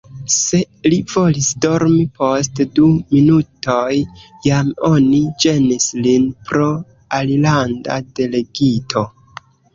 Se li volis dormi, post du minutoj jam oni ĝenis lin pro alilanda delegito.